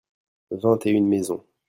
vingt et une maisons.